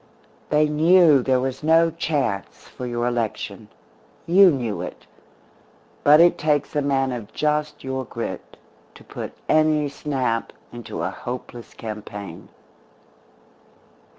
They knew there was no chance for your election. You knew it. But it takes a man of just your grit to put any snap into a hopeless campaign.